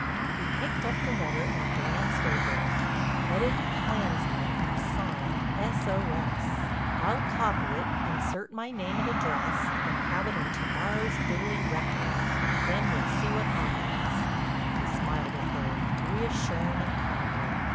He picked up the letter and glanced over it. "Headed 'Clansmen' and signed 'S. O. S.' I'll copy it, insert my name and address, and have it in to morrow's Daily Record. Then we'll see what happens." He smiled at her, reassuring and kindly.